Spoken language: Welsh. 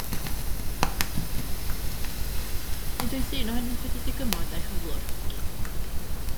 Nid oes un ohonynt wedi dygymod â'i chyflwr.